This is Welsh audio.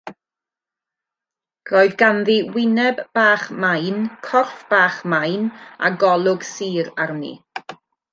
Roedd ganddi wyneb bach main, corff bach main a golwg sur arni.